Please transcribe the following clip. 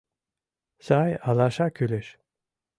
Сай алаша кӱлеш.